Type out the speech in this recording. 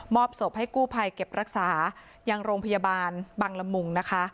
อบศพให้กู้ภัยเก็บรักษายังโรงพยาบาลบังละมุงนะคะ